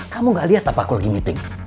kamu gak liat apa aku lagi meeting